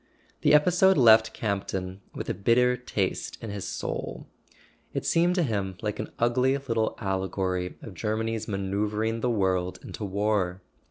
The episode left Campton with a bitter taste in his soul. It seemed to him like an ugly little allegory of Germany's manoeuvring the world into war.